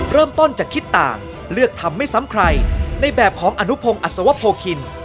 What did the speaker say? เริ่มต้นจะคิดต่างเลือกทำไม่ซ้ำใครในแบบของอนุพงศ์อัศวโพคิน